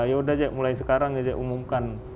ya udah aja mulai sekarang aja umumkan